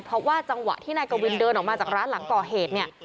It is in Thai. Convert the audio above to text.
เพราะว่าจังหวะที่นายกวินเดินออกมาจากร้านหลังก่อเหตุเนี่ย